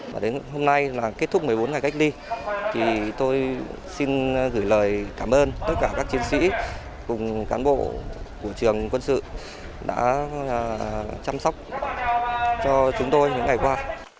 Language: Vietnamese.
và đến hôm nay là kết thúc một mươi bốn ngày cách ly thì tôi xin gửi lời cảm ơn tất cả các chiến sĩ cùng cán bộ của trường quân sự đã chăm sóc cho chúng tôi những ngày qua